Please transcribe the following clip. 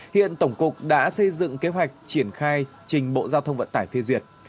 hiện tổng cục đã xây dựng kế hoạch triển khai trình bộ giao thông vận tải phê duyệt